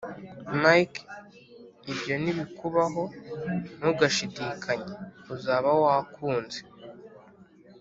mike ibyo nibikubaho ntugashidikanye uzaba wakunze."